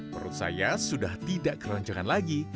menurut saya sudah tidak keroncongan lagi